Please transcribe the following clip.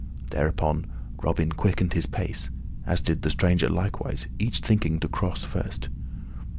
Thereupon Robin quickened his pace, as did the stranger likewise, each thinking to cross first.